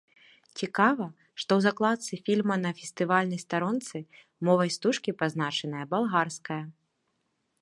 Цікава, што ў закладцы фільма на фестывальнай старонцы мовай стужкі пазначаная балгарская.